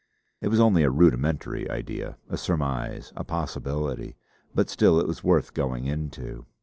It was only a rudimentary idea, a surmise, a possibility; but still it was worth going into.